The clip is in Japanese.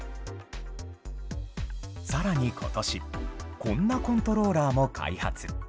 さらにことし、こんなコントローラーも開発。